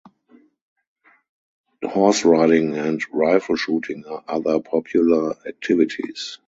Horse riding and rifle shooting are other popular activities.